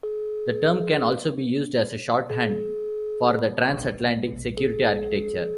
The term can also be used as a shorthand for the transatlantic security architecture.